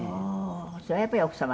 それは、やっぱり、奥様。